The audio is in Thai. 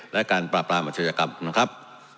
และการปราบปรามัติศักดิ์กรรมนะครับ